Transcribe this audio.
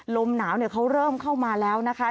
ลมหนาวเขาเริ่มเข้ามาแล้วนะคะ